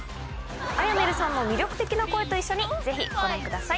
あやねるさんの魅力的な声と一緒にぜひご覧ください。